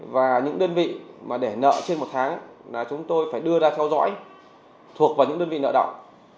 và những đơn vị mà để nợ trên một tháng là chúng tôi phải đưa ra theo dõi thuộc vào những đơn vị nợ động